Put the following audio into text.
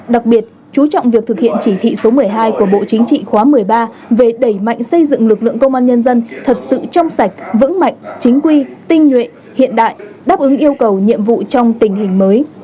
đặc biệt chú trọng việc thực hiện chỉ thị số một mươi hai của bộ chính trị khóa một mươi ba về đẩy mạnh xây dựng lực lượng công an nhân dân thật sự trong sạch vững mạnh chính quy tinh nhuệ hiện đại đáp ứng yêu cầu nhiệm vụ trong tình hình mới